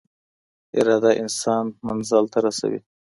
اراده انسان منزل ته رسوي.